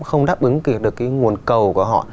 không đáp ứng được cái nguồn cầu của họ